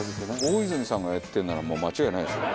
大泉さんがやってるならもう間違いないですよ。